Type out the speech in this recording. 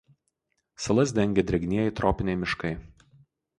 Salas dengia drėgnieji tropiniai miškai.